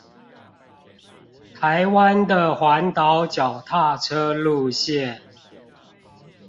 台灣的環島腳踏車路線